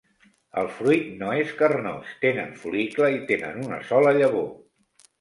El fruit no és carnós, tenen fol·licle i tenen una sola llavor.